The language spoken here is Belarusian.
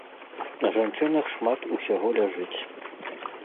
На жанчынах шмат усяго ляжыць.